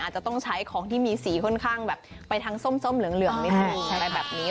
จะต้องใช้ของที่มีสีค่อนข้างแบบไปทางส้มเหลืองนิดอะไรแบบนี้